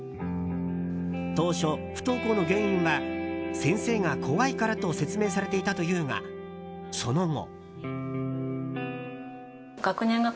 当初、不登校の原因は先生が怖いからと説明されていたというがその後。